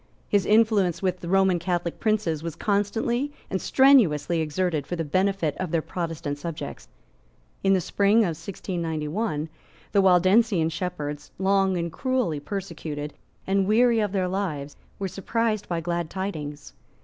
His influence with Roman Catholic princes was constantly and strenuously exerted for the benefit of their Protestant subjects. In the spring of 1691, the Waldensian shepherds, long and cruelly persecuted, and weary of their lives, were surprised by glad tidings.